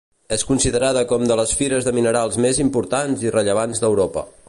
És considerada com de les fires de minerals més importants i rellevants d'Europa.